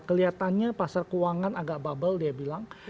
kelihatannya pasar keuangan agak bubble dia bilang